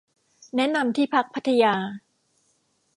แนะนำที่พักพัทยา